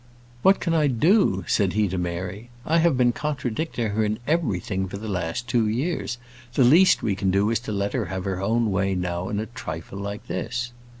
"What can I do?" said he to Mary. "I have been contradicting her in everything for the last two years. The least we can do is to let her have her own way now in a trifle like this."